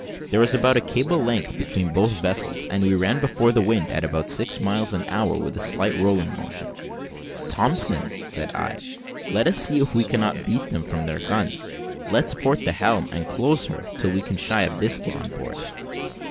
There was about a cable's length between both vessels, as we ran before the wind, at about six miles an hour with a slight rolling motion. "Thompson," said I, "let us see if we cannot beat them from their guns. Let's port the helm, and close her, till we can shy a biscuit on board."